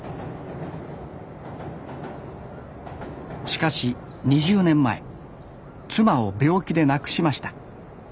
しかし２０年前妻を病気で亡くしました。